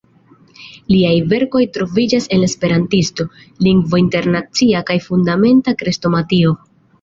Liaj verkoj troviĝas en "La Esperantisto, Lingvo Internacia" kaj "Fundamenta Krestomatio".